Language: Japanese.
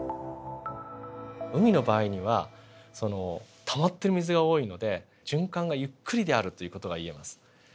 海の場合にはたまっている水が多いので循環がゆっくりであるという事がいえます。